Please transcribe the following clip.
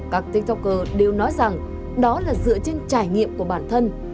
các tiktoker đều nói rằng đó là dựa trên trải nghiệm của bản thân